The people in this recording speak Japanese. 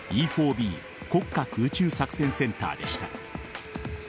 Ｂ国家空中作戦センターでした。